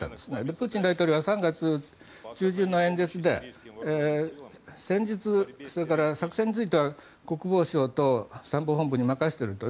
プーチン大統領は３月中旬の演説で戦術、それから作戦については国防省と参謀本部に任せていると。